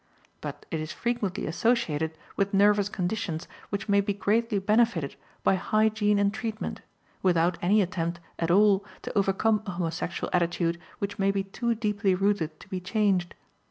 But it is frequently associated with nervous conditions which may be greatly benefited by hygiene and treatment, without any attempt at all to overcome a homosexual attitude which may be too deeply rooted to be changed.